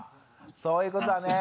そういうことだね。